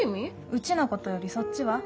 うちのことよりそっちは？